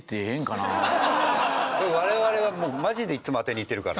我々はもうマジでいつも当てにいってるから。